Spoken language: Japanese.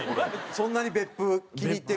そんなに別府気に入ってる。